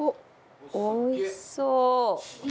おいしそう。